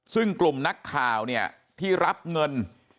ซึ่งกลุ่มนักข่าวเนี่ยที่รับเงิน